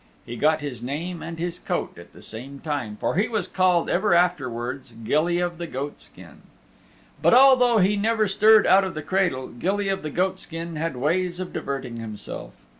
He got his name and his coat at the same time, for he was called ever afterwards "Gilly of the Goatskin." But although he never stirred out of the cradle, Gilly of the Goatskin had ways of diverting himself.